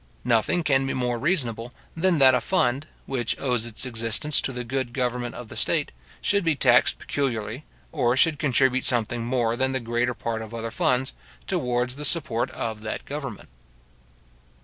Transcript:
Nothing can be more reasonable, than that a fund, which owes its existence to the good government of the state, should be taxed peculiarly, or should contribute something more than the greater part of other funds, towards the support of that government.